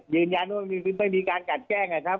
ยืนยันว่าไม่มีการกัดแกล้ง